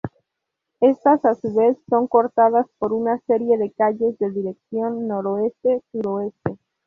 Estas a su vez son cortadas por una serie de calles de dirección noreste-suroeste.